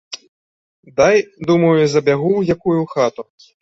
Дай, думаю, забягу ў якую хату.